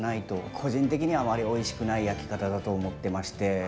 個人的にはあまりおいしくない焼き方だと思ってまして。